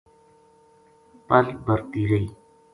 پل بَرتی رہی